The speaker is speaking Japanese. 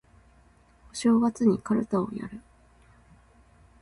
お正月にかるたをやる